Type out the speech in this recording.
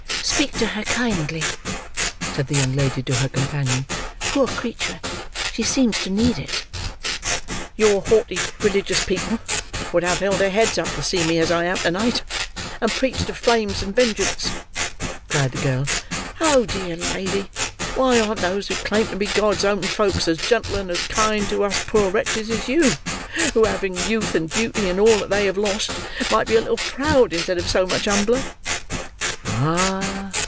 "Speak to her kindly," said the young lady to her companion. "Poor creature! She seems to need it." "Your haughty religious people would have held their heads up to see me as I am to night, and preached of flames and vengeance," cried the girl. "Oh, dear lady, why ar'n't those who claim to be God's own folks as gentle and as kind to us poor wretches as you, who, having youth, and beauty, and all that they have lost, might be a little proud instead of so much humbler?" "Ah!"